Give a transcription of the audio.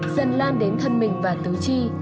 dần lan đến thân mình và tứ chi